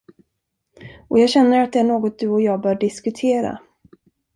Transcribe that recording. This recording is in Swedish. Och jag känner att det är något du och jag bör diskutera.